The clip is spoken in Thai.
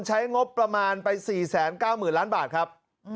ใช้งบประมาณไป๔๙๐๐ล้านบาทครับ